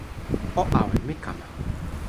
o awen. mi kama.